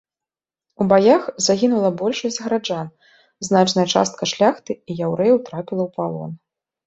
У баях загінула большасць гараджан, значная частка шляхты і яўрэяў трапіла ў палон.